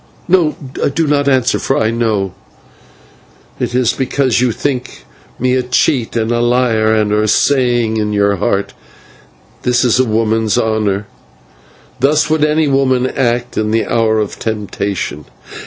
No, do not answer, for I know why. It is because you think me a cheater and a liar, and are saying in your heart, 'This is a woman's honour. Thus would any woman act in the hour of temptation.'